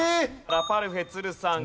ラパルフェ都留さん